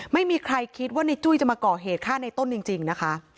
ไม่มีใครคิดว่าในจุ้ยจะมาก่อเหตุฆ่าในต้นจริงนะคะ